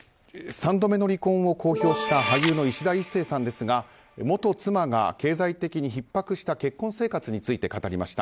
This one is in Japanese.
３度目の離婚を公表した俳優のいしだ壱成さんですが元妻が経済的にひっ迫した結婚生活について語りました。